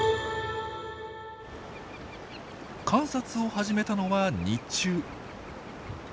観察を始めたのは日中。